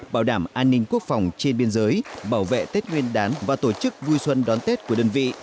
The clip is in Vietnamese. bảo đảm an ninh quốc phòng trên biên giới bảo vệ tết nguyên đán và tổ chức vui xuân đón tết của đơn vị